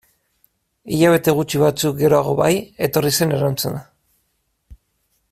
Hilabete gutxi batzuk geroago bai, etorri zen erantzuna.